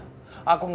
aku gak akan menang